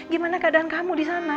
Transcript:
gimana keadaan kamu di sana